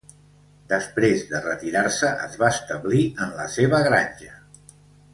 Després de retirar-se, es va establir en la seva granja.